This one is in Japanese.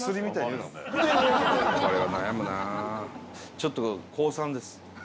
ちょっと降参です。